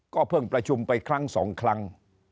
ก็เพิ่งประชุมไปครั้งสองครั้ง